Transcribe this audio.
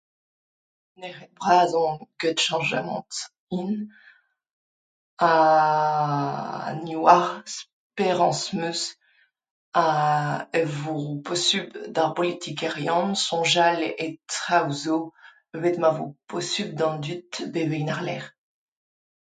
Nec'het bras on gant cheñchamant hin ha[aaaa] ni oar. 'Sperañs 'm eus hag e vo posupl d'ar bolitikerien soñjal e traoù 'zo evit ma vo posupl d'an dud bevañ war-lerc'h.